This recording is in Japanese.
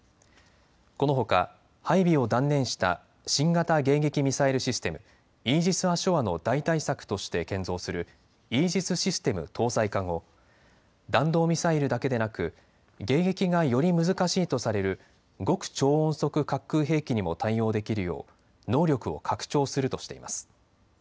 このほか配備を断念した新型迎撃ミサイルシステムイージス・アショアの代替策として建造するイージス・ミサイル搭載艦を弾道ミサイルだけでなく迎撃がより難しいとされる極超音速滑空兵器にも対応できるよう能力を拡張するとしています。